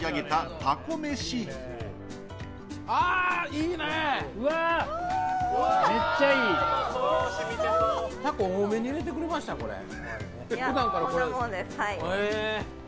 タコ多めに入れてくれました？